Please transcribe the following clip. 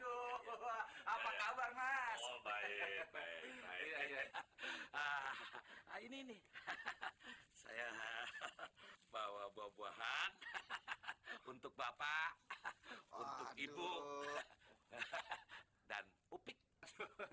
eh mas badar aduh apa kabar mas baik baik ini saya bawa buah buahan untuk bapak untuk ibu dan